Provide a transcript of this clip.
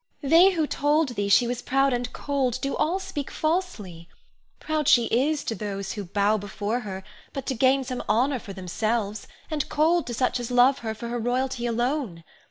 Ione. They who told thee she was proud and cold do all speak falsely. Proud she is to those who bow before her but to gain some honor for themselves, and cold to such as love her for her royalty alone.